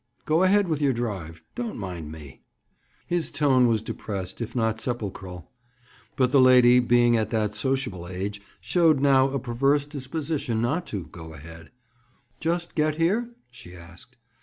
Go ahead with your drive. Don't mind me." His tone was depressed, if not sepulchral. But the lady, being at that sociable age, showed now a perverse disposition not to "go ahead." "Just get here?" she asked.